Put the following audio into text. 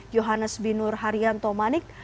yohanes binur haryanto manik